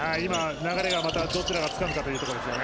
流れがまたどちらがつかむかというところですね。